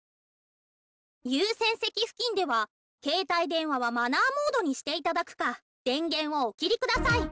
優先席付近では携帯電話はマナーモードにして頂くか電源をお切り下さい。